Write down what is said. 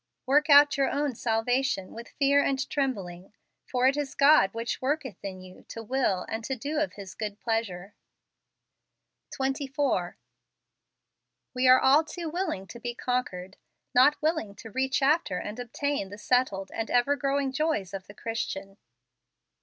"Work out your oxen salvation xcith fear and trembling. For it is God xohich worketh in you both to will and to do of his good pleasure ." 24. We are all too willing to be con¬ quered, not willing to reach after and obtain the settled and ever growing joys of the Christian.